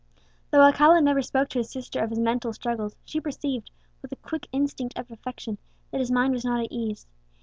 Though Alcala never spoke to his sister of his mental struggles, she perceived, with the quick instinct of affection, that his mind was not at ease.